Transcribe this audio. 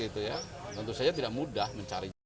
tentu saja tidak mudah mencarinya